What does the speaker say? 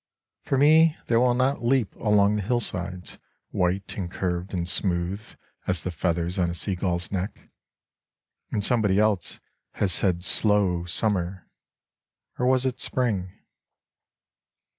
For me they will not leap along the hillsides White and curved and smooth as the feathers on a seagull's neck. And somebody else has said slow summer, Or was it Spring?